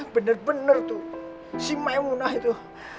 bener bener tuh si maya munah itu